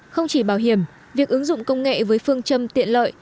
không chỉ bảo hiểm việc ứng dụng công nghệ với phương châm tiện lợi